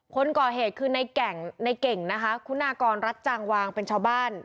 คนก่อเหตุคือในเก่งนะคะคุณากรรัฐจางวางเป็นชาวบ้าน